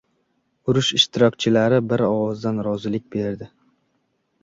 Urush ishtirokchilari bir ovozdan rozilik berdi.